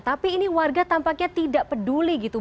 tapi ini warga tampaknya tidak peduli gitu